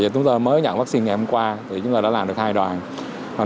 chúng tôi mới nhận vaccine ngày hôm qua thì chúng tôi đã làm được hai đoàn